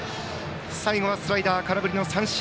最後はスライダーに空振り三振。